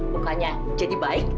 bukannya jadi baik